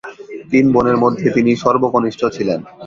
তিন বোনের মধ্যে তিনি সর্বকনিষ্ঠ ছিলেন।